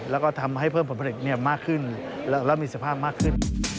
แล้วก็ทำให้เพิ่มผลผลิตมากขึ้นและมีสภาพมากขึ้น